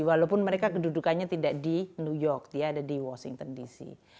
walaupun mereka kedudukannya tidak di new york dia ada di washington dc